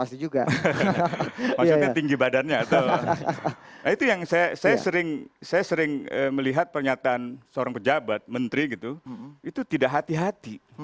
itu tidak hati hati